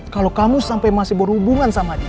kalau kamu sampai masih berhubungan sama dia